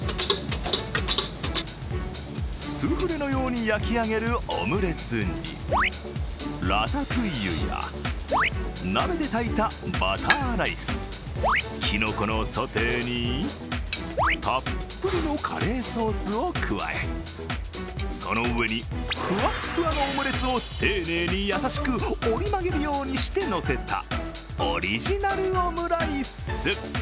スフレのように焼き上げるオムレツに、ラタトゥイユや鍋で炊いたバターライス、きのこのソテーに、たっぷりのカレーソースを加え、その上にふわっふわのオムレツを丁寧に優しく、折り曲げるようにしてのせたオリジナルオムライス。